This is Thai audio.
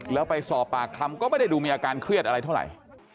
แล้วไปสอบปากคำก็ไม่ได้ดูมีอาการเครียดอะไรเท่าไหร่